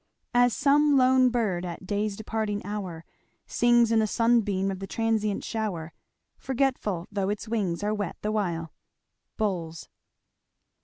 As some lone bird at day's departing hour Sings in the sunbeam of the transient shower, Forgetful though its wings are wet the while. Bowles.